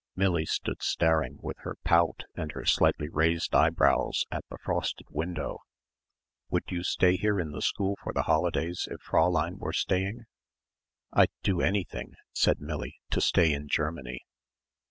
Millie stood staring with her pout and her slightly raised eyebrows at the frosted window. "Would you stay here in the school for the holidays if Fräulein were staying?" "I'd do anything," said Millie, "to stay in Germany."